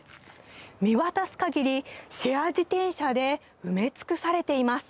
見渡す限りシェア自転車で埋め尽くされています。